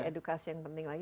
edukasi yang penting lagi